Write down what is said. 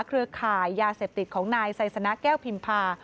เครือข่ายยาเสพติดของนายไซสนะแก้วพิมพา